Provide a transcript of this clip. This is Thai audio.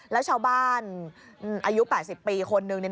แล้วชาวบ้านอายุ๘๐ปีคนนึง